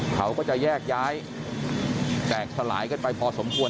เขาก็จะแยกย้ายแตกสลายกันไปพอสมควร